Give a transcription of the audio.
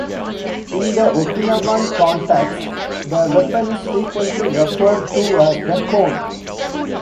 In the Okinawan context, the weapon is frequently referred to as the "kon".